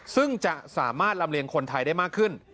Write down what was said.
ซึ่งจะสามารถลำเลียงคนไทยได้มากขึ้น